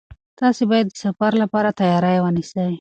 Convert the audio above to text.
تاسي باید د سفر لپاره تیاری ونیسئ.